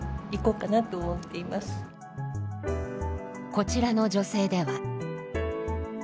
こちらの女性では。